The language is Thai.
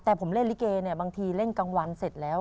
แต่ผมเล่นลิเกเนี่ยบางทีเล่นกลางวันเสร็จแล้ว